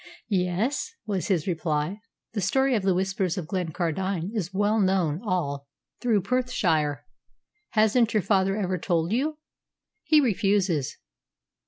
"Yes," was his reply. "The story of the Whispers of Glencardine is well known all through Perthshire. Hasn't your father ever told you?" "He refuses."